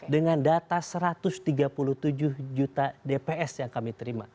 dengan data satu ratus tiga puluh tujuh juta dps yang kami terima